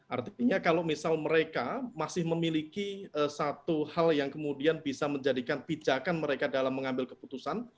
artinya kalau misal mereka masih memiliki satu hal yang kemudian bisa menjadikan pijakan mereka dalam mengambil keputusan